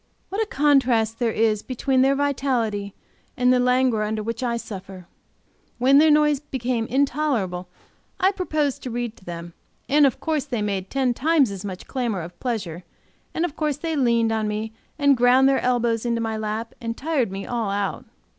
What a contrast there is between their vitality and the languor under which I suffer! When their noise became intolerable, I proposed to read to them; of course they made ten times as much clamor of pleasure and of course they leaned on me, ground their elbows into my lap, and tired me all out.